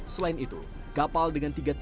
selain itu kapal dengan tiga tiang berat